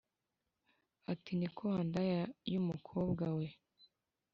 ati” niko wandaya y’umukobwa we